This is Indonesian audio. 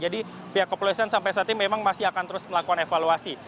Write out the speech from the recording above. jadi pihak kepolisian sampai saat ini memang masih akan terus melakukan evaluasi